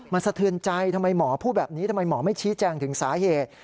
มันสะเทือนใจทำไมหมอพูดแบบนี้ทำไมหมอไม่ชี้แจงถึงสาเหตุ